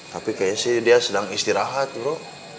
tapi kayaknya sih dia sedang istirahat dulu